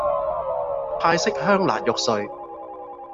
泰式香辣肉碎